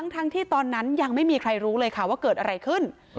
ทั้งที่ตอนนั้นยังไม่มีใครรู้เลยค่ะว่าเกิดอะไรขึ้น